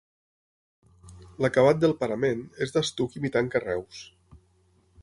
L'acabat del parament és d'estuc imitant carreus.